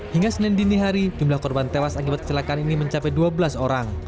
hingga senin dini hari jumlah korban tewas akibat kecelakaan ini mencapai dua belas orang